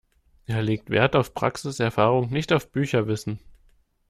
Er legt wert auf Praxiserfahrung, nicht auf Bücherwissen.